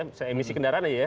misalnya emisi kendaraan aja ya